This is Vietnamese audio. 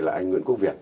là anh nguyễn quốc việt